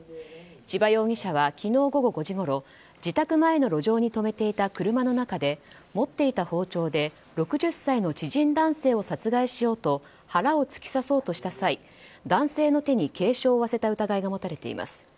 千葉容疑者は昨日午後５時ごろ自宅前の路上に止めていた車の中で、持っていた包丁で６０歳の知人男性を殺害しようと腹を突き刺そうとした際男性の手に軽傷を負わせた疑いが持たれています。